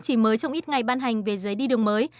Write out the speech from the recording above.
chỉ mới trong ít ngày ban hành về giấy đi đường mới